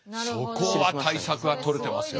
そこは対策は取れてますよ。